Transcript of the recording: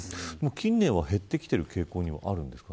近年は減ってきている傾向にあるんですか。